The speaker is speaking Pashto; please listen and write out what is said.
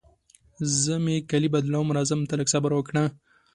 زه مې کالي بدلوم، راځم ته لږ صبر وکړه.